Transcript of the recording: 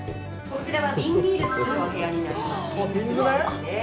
こちらが瓶ビールを造るお部屋になります。